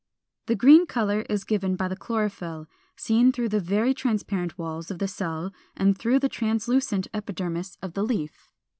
The green color is given by the chlorophyll (417), seen through the very transparent walls of the cells and through the translucent epidermis of the leaf.